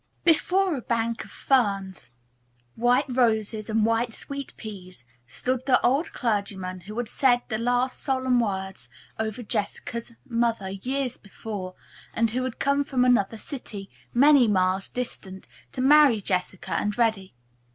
Before a bank of ferns, white roses and white sweet peas stood the old clergyman who had said the last solemn words over Jessica's mother years before, and who had come from another city, many miles distant, to marry Jessica and Reddy.